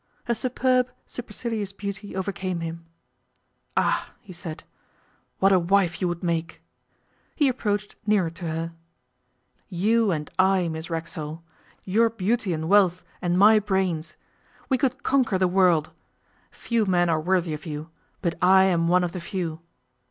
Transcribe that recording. Her superb, supercilious beauty overcame him. 'Ah!' he said, 'what a wife you would make!' He approached nearer to her. 'You and I, Miss Racksole, your beauty and wealth and my brains we could conquer the world. Few men are worthy of you, but I am one of the few.